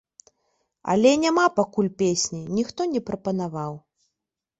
Але няма пакуль песні, ніхто не прапанаваў.